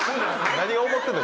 何が起こってんの？